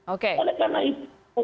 oleh karena itu